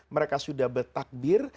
mereka sudah bertakbir